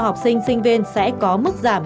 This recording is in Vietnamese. học sinh sinh viên sẽ có mức giảm